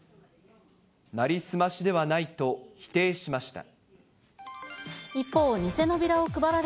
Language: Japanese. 成り済ましではないと否定しました。